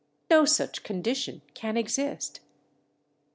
No such condition can exist!"